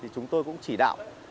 chúng tôi cũng chỉ đạo